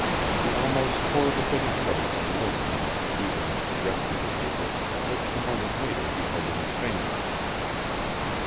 He almost tore the bit of lace and linen in his eagerness to rescue the paper, which a moment later he held in his fingers.